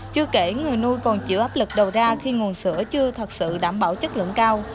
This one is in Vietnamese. chưa kể người nuôi còn chịu áp lực đầu ra khi nguồn sữa chưa thật sự đảm bảo chất lượng cao